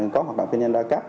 có hoạt động kinh doanh đa cấp